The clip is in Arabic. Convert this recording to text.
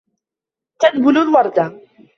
تَذْبُلُ الْوَرْدَةُ.